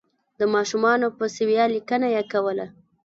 د ماشومانو په سویه لیکنه یې نه کوله.